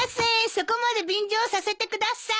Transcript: そこまで便乗させてください。